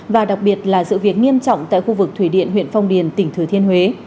và đặc biệt là sự việc nghiêm trọng tại khu vực thủy điện huyện phong điền tỉnh thừa thiên huế